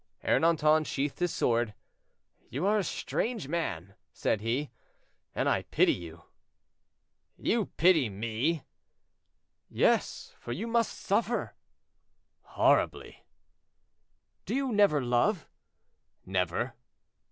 Ernanton sheathed his sword. "You are a strange man," said he, "and I pity you." "You pity me!" "Yes, for you must suffer." "Horribly." "Do you never love?" "Never."